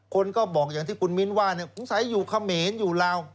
คนก็บอกอย่างที่คุณมิ้นว่าคุณสัยอยู่เขมรอยู่ลาว